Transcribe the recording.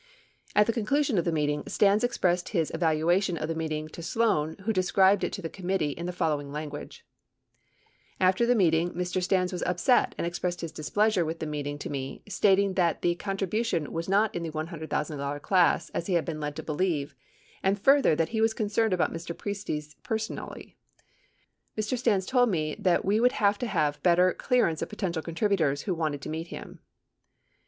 90 At the conclusion of the meeting, Stans expressed his evaluation of the meeting to Sloan, who described it to the committee in the following language : After the meeting, Mr. Stans was upset and expressed his displeasure with the meeting to me, stating that the contri bution was not in the $100,000 class as he had been led to be lieve and further that he was concerned about Mr. Priestes personally. Mr. Stans told me that we would have to have better clearance of potential contributors who wanted to meet him.